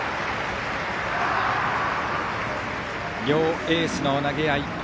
両エースの投げ合い。